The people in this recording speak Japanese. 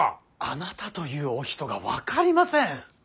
あなたというお人が分かりません。